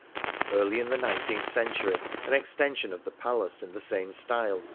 Early in the nineteenth century an extension of the palace in the same style was 60 7 ~